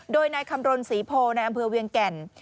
โดยนายคำรณศรีโพในอำเภอเวียงแก่น